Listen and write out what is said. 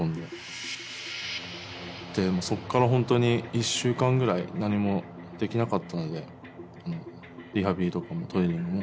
でそこから本当に１週間ぐらい何もできなかったのでリハビリとかもトレーニングも。